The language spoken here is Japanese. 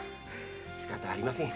仕方ありません。